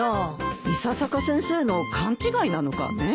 伊佐坂先生の勘違いなのかねえ。